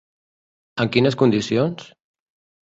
En quines condicions?